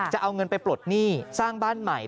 จะเอาเงินไปปลดหนี้สร้างบ้านใหม่